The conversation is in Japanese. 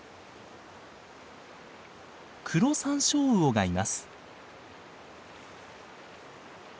クロサンショウウオがいます。